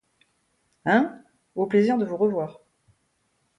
Hein ? au plaisir de vous revoir !